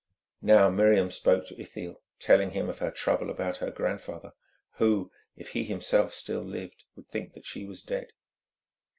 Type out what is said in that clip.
Now Miriam spoke to Ithiel, telling him of her trouble about her grandfather, who, if he himself still lived, would think that she was dead.